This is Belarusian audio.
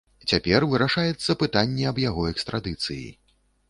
Цяпер вырашаецца пытанне аб яго экстрадыцыі.